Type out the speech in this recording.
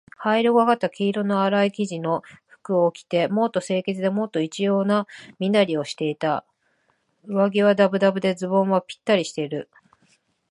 灰色がかった黄色のあらい生地の服を着て、もっと清潔で、もっと一様な身なりをしていた。上衣はだぶだぶで、ズボンはぴったりしている。